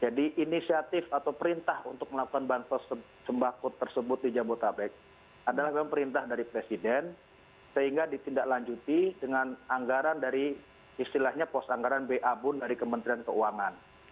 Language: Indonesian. jadi inisiatif atau perintah untuk melakukan bansos sembako tersebut di jabodetabek adalah memang perintah dari presiden sehingga ditindaklanjuti dengan anggaran dari istilahnya pos anggaran babun dari kementerian keuangan